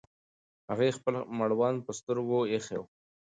هغې خپل مړوند پر سترګو ایښی و.